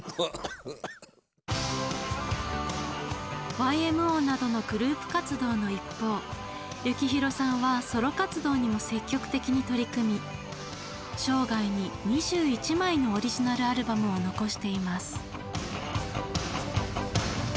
ＹＭＯなどのグループ活動の一方幸宏さんはソロ活動にも積極的に取り組み生涯に２１枚のオリジナルアルバムを残しています。